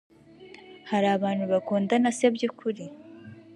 Hari Abantu bakundana se byukuri